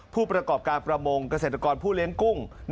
ผู้ประกอบการประมงเกษตรกรผู้เลี้ยงกุ้ง